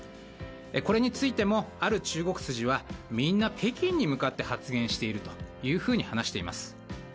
これについてもある中国筋はみんな北京に向かって話しているとしています。